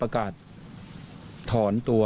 ประกาศถอนตัวก็ลังจากนั้นมีลูกก็ไม่ได้ติดต่อกับทนาย